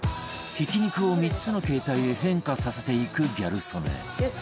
ひき肉を３つの形態へ変化させていくギャル曽根